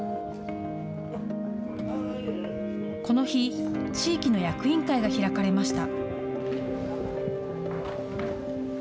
この日、地域の役員会が開かれました。